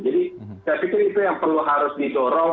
jadi saya pikir itu yang perlu harus didorong